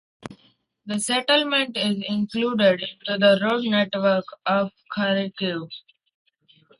The settlement is included into the road network of Kharkiv.